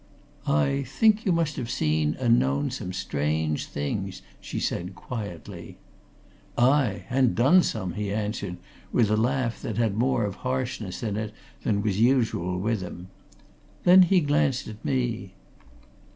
"I think you must have seen and known some strange things," she said quietly. "Aye and done some!" he answered, with a laugh that had more of harshness in it than was usual with him. Then he glanced at me.